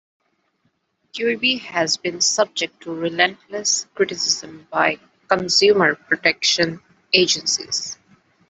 Kirby has been subject to relentless criticism by consumer protection agencies.